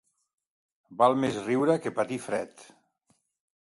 Val més riure que patir fred.